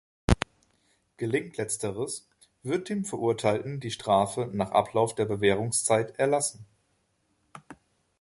Gelingt Letzteres, wird dem Verurteilten die Strafe nach Ablauf der Bewährungszeit erlassen.